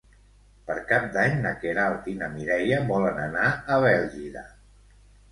Per Cap d'Any na Queralt i na Mireia volen anar a Bèlgida.